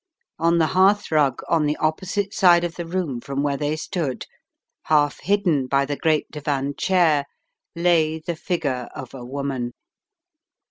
On the hearth rug on the opposite side of the room from where they stood, half hidden by the great divan chair, lay the figure of a woman.